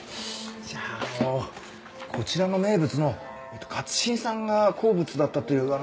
じゃああのこちらの名物の勝新さんが好物だったというあの。